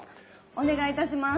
お願いいたします。